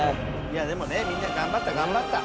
いやでもねみんな頑張った頑張った。